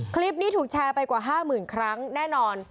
คลิปนี้ถูกแชร์ไปกว่าห้าหมื่นครั้งแน่นอน